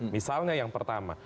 misalnya yang pertama